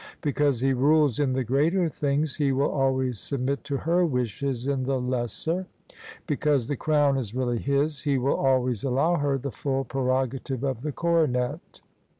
Because he rules in the greater things, he will always submit to her wishes in the lesser: because the crown is really his, he will always allow her the full prerogative of the coronet.